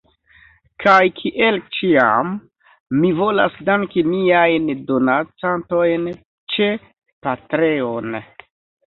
Kaj kiel ĉiam, mi volas danki miajn donacantojn ĉe Patreon.